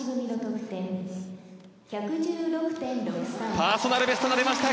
パーソナルベストが出ました！